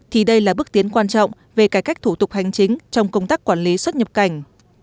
thì đây là bước tiến quan trọng về cải cách thủ tục hành chính trong công tác quản lý xuất nhập cảnh